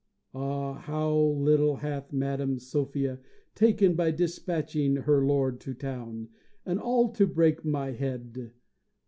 Ah, how little hath Madam Sophia taken by despatching her lord to town, and all to break my head.